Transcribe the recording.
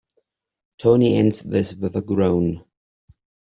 Tony ends this with a groan.